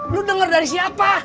lo denger dari siapa